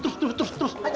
terus terus terus